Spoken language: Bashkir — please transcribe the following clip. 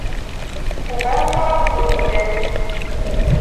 Һуға алмаған ҙур күтәрер